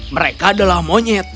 mereka adalah monyet